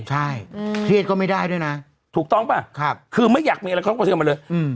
ใช่อืมเทรดก็ไม่ได้ด้วยนะถูกต้องปะครับคือไม่อยากมีอะไรกระทบกระเทือนมันเลยอืม